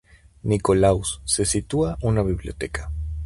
Nikolaus" se sitúa una biblioteca.